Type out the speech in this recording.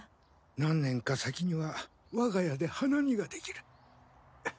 何年か先には我が家で花見ができる。